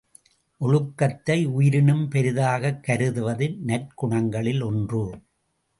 ஒழுக்கத்தை உயிரினும் பெரிதாகக் கருதுவது நற்குணங்களில் ஒன்று.